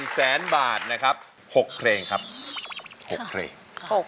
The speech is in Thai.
๑แสนบาทนะครับ๖เพลงครับ๖เพลง